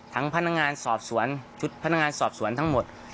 พนักงานสอบสวนชุดพนักงานสอบสวนทั้งหมด